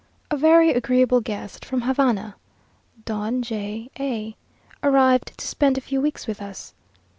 A very agreeable guest from Havana, Don J A , arrived to spend a few weeks with us.